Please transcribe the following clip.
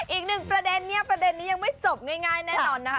อีกหนึ่งประเด็นนี้ยังไม่จบง่ายแน่นอนนะคะ